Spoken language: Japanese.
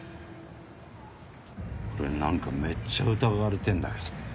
俺何かめっちゃ疑われてんだけど。